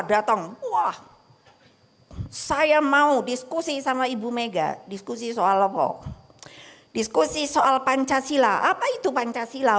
datang wah saya mau diskusi sama ibu mega diskusi soal logo diskusi soal pancasila apa itu pancasila